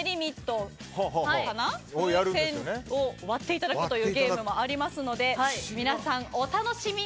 風船を割っていただくゲームもありますので皆さん、お楽しみに。